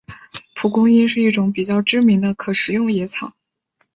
蒲公英是一种比较知名的可食用野草。